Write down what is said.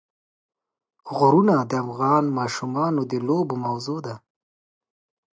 غرونه د افغان ماشومانو د لوبو موضوع ده.